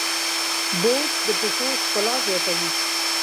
بوټ د پښو ښکلا زیاتوي.